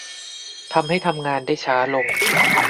ทำให้ทำงานได้ช้าลง